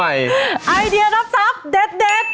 ไอเดียรับทรัพย์เด็ด